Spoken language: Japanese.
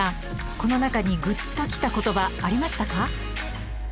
この中にグッときた言葉ありましたか？